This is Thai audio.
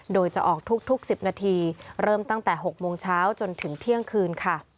โดยจะออกทุก๑๐นาทีเริ่มตั้งแต่๖โมงเช้าจนถึงเที่ยงคืนค่ะ